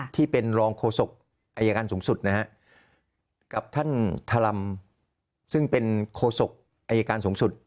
ที่เป็นรองโฆษกอายการสูงสุดนะฮะกับท่านธรรมซึ่งเป็นโคศกอายการสูงสุด